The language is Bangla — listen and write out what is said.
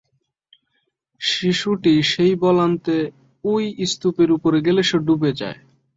শিশুটি সেই বল আনতে ওই স্তূপের ওপর গেলে সে ডুবে যায়।